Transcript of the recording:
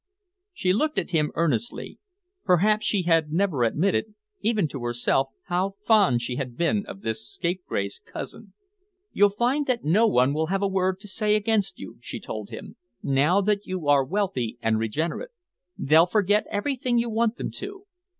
She looked at him earnestly. Perhaps she had never admitted, even to herself, how fond she had been of this scapegrace cousin. "You'll find that no one will have a word to say against you," she told him, "now that you are wealthy and regenerate. They'll forget everything you want them to.